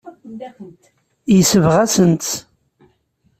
Yesbeɣ-asent-tt.